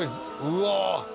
うわ！